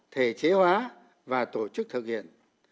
thể chế hóa và tổ chức thực hiện